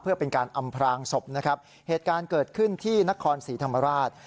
เพื่อเป็นการอำพรางศพนะครับเหตุการณ์เกิดขึ้นที่นครศรีธรรมราช